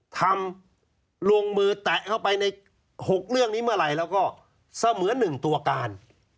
ทำลงมือแตะเข้าไปใน๖เรื่องนี้เมื่อไหร่แล้วก็เสมอ๑ตัวการ